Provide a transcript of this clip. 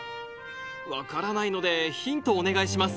分からないのでヒントお願いします